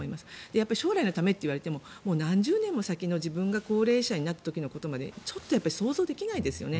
将来のためといわれても何十年も先の、自分が高齢者になった時のことまで想像できないですよね。